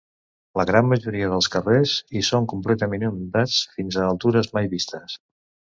La gran majoria dels carrers hi són completament inundats, fins a altures mai vistes.